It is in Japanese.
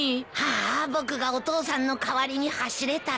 あーあ僕がお父さんの代わりに走れたらなあ。